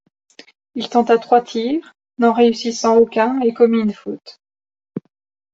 Il tenta trois tirs, n'en réussissant aucun et commit une faute.